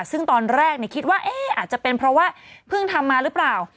ซึ่งตอนแรกคิดว่าอาจจะเป็นเพราะว่าเพิ่งทำมาหรือเปล่า